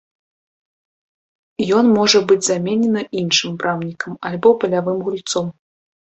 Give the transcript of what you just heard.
Ён можа быць заменены іншым брамнікам альбо палявым гульцом.